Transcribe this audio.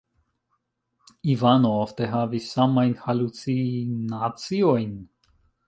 Ivano ofte havis samajn halucinaciojn.